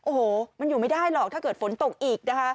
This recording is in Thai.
โอ้โหมันอยู่ไม่ได้หรอกถ้าเกิดฝนตกอีกนะคะ